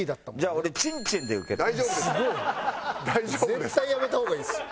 絶対やめた方がいいです。